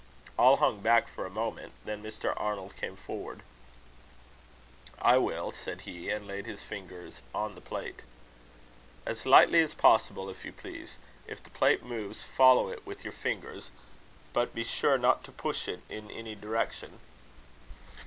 All hung back for a moment. Then Mr. Arnold came forward. "I will," said he, and laid his fingers on the plate. "As lightly as possible, if you please. If the plate moves, follow it with your fingers, but be sure not to push it in any direction."